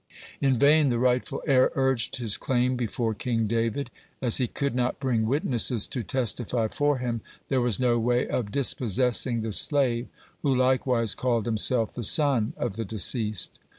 In vain the rightful heir urged his claim before King David. As he could not bring witnesses to testify for him, there was no way of dispossessing the slave, who likewise called himself the son of the deceased.